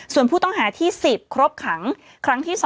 ส่วนผู้ต้องหาที่๑๐ครบขังครั้งที่๒